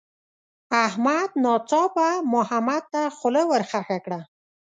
احمد ناڅاپه محمد ته خوله ورخښه کړه.